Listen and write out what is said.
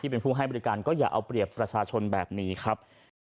เป็นผู้ให้บริการก็อย่าเอาเปรียบประชาชนแบบนี้ครับ